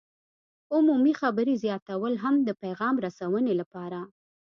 عمومي خبرې زیاتول هم د پیغام رسونې لپاره